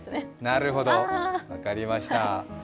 なるほど、分かりました。